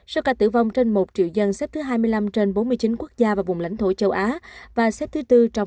số ca tử vong trên một triệu dân xếp thứ hai mươi năm trên bốn mươi chín quốc gia và vùng lãnh thổ châu á và xếp thứ bốn trong các nước asean